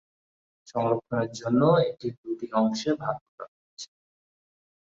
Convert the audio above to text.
সংরক্ষনের জন্য একে দুইটি অংশে ভাগ করা হয়েছে।